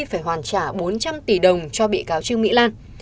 phải hoàn trả bốn trăm linh tỷ đồng cho bị cáo trương mỹ lan